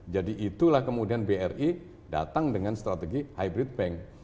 jadi kemudian kemudian bri datang dengan strategi hybrid bank